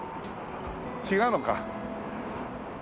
違うのか。